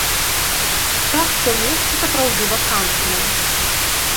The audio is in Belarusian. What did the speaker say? Так, што месца, сапраўды, вакантнае.